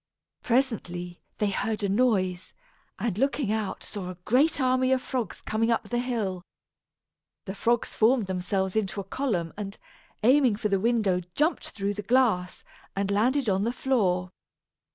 Presently, they heard a noise, and looking out saw a great army of frogs coming up the hill, The frogs formed themselves into a column and, aiming for the window, jumped through the glass, and landed on the floor.